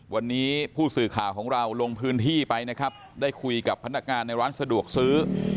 วันนี้ผู้สื่อข่าวของเราลงพื้นที่ไปนะครับได้คุยกับพนักงานในร้านสะดวกซื้อ